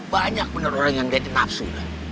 banyak bener bener orang yang jadi nafsu